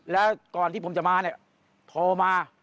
แล้วก่อนที่ผมจะมาเนี่ยโทรมา